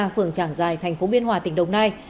phường tràng giài tp biên hòa tỉnh đồng nai